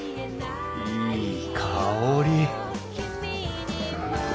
いい香り